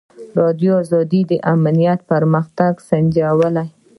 ازادي راډیو د امنیت پرمختګ سنجولی.